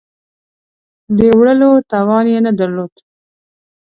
د وړلو توان یې نه درلود.